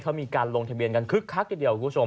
เขามีการลงทะเบียนกันคึกคักเดียว